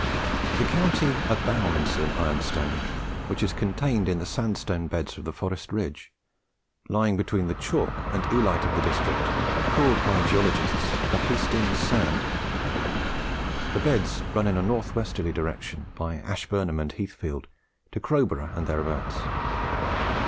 The county abounds in ironstone, which is contained in the sandstone beds of the Forest ridge, lying between the chalk and oolite of the district, called by geologists the Hastings sand. The beds run in a north westerly direction, by Ashburnham and Heathfield, to Crowborough and thereabouts.